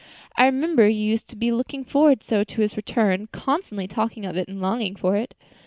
"I remember you used to be looking forward so to his return; constantly talking of it and longing for it."